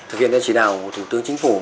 thực hiện đã chỉ đạo thủ tướng chính phủ